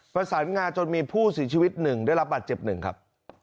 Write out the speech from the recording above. ประสานงาจนมีผู้สิ้นชีวิตหนึ่งได้รับบัตรเจ็บหนึ่งครับ